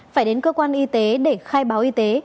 phải đến cơ quan y tế để khai báo y tế